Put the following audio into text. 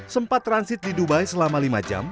sempat transit di dubai selama lima jam